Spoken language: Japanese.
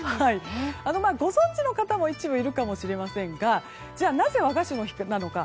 ご存じの方もいるかもしれませんがなぜ和菓子の日なのか。